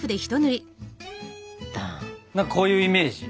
まっこういうイメージ。